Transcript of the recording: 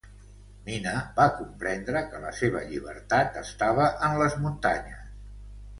Mina va comprendre que la seva llibertat estava en les muntanyes.